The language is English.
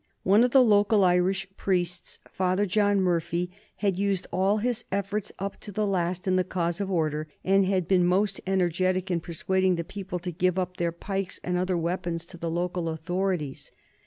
One of the local Irish priests, Father John Murphy, had used all his efforts up to the last in the cause of order, and had been most energetic in persuading the people to give up their pikes and other weapons to the local authorities.